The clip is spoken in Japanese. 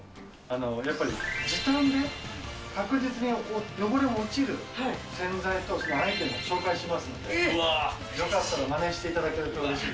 やっぱり時短で確実に汚れが落ちる洗剤と、そのアイテムを紹介しますので、よかったらまねしていただけるとうれしいです。